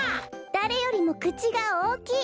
だれよりもくちがおおきい。